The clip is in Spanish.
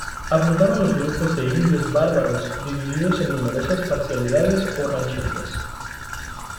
Abundaban los grupos de indios bárbaros divididos en numerosas parcialidades o rancherías.